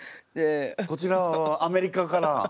こちら側はアメリカから。